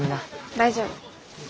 大丈夫。